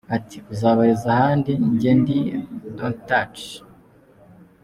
Ati:” uzabarize ahandi nge ndi don’t touch”.